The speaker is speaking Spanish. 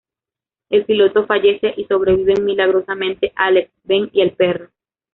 El piloto fallece y sobreviven milagrosamente Alex, Ben y el perro.